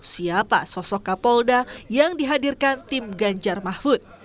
siapa sosok kapolda yang dihadirkan tim ganjar mahfud